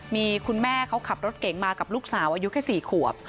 มีคุณแม่เขาขับรถเก๋งมากับลูกสาวอายุแค่๔ขวบ